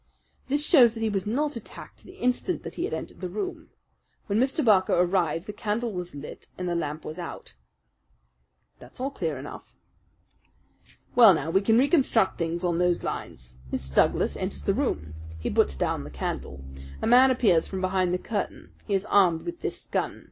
This shows that he was not attacked the instant that he entered the room. When Mr. Barker arrived the candle was lit and the lamp was out." "That's all clear enough." "Well, now, we can reconstruct things on those lines. Mr. Douglas enters the room. He puts down the candle. A man appears from behind the curtain. He is armed with this gun.